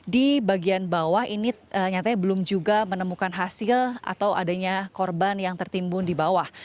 di bagian bawah ini ternyata belum juga menemukan hasil atau adanya korban yang tertimbun di bawah